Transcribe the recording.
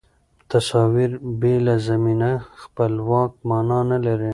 تصاویر بې له زمینه خپلواک معنا نه لري.